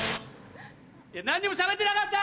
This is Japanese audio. いや何にもしゃべってなかった！